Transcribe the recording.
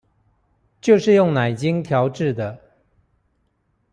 就是用奶精調製的